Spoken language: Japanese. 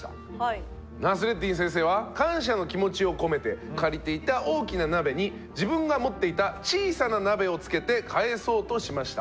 ナスレッディン先生は感謝の気持ちを込めて借りていた大きな鍋に自分が持っていた小さな鍋をつけて返そうとしました。